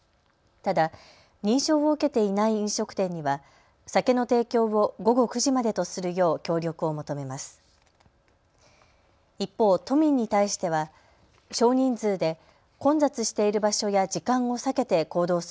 ただ認証を受けていない飲食店には酒の提供を午後９時までとするよう協力を求めます。